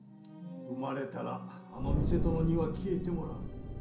産まれたらあの偽殿には消えてもらう。